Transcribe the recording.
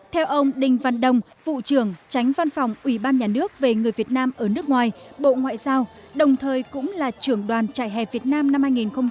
theo ông đinh văn đông vụ trưởng tránh văn phòng ủy ban nhà nước về người việt nam ở nước ngoài bộ ngoại giao đồng thời cũng là trưởng đoàn trại hè việt nam năm hai nghìn một mươi chín